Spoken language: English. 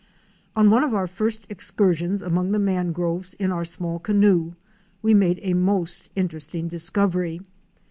On one of our first excursions among the mangroves in our small canoe we made a most interesting discovery.